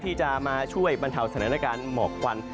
ที่จะมาช่วยบรรเทาสถานการณ์หมอกควัน